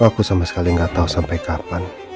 aku sama sekali gak tau sampai kapan